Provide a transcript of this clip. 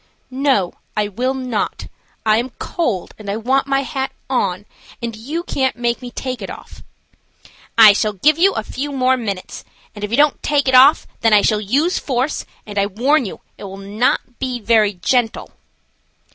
"No, I will not. I am cold, and I want my hat on, and you can't make me take it off." "I shall give you a few more minutes, and if you don't take it off then I shall use force, and I warn you it will not be very gentle."